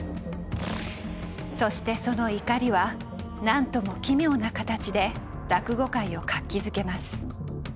そしてその怒りは何とも奇妙な形で落語界を活気づけます。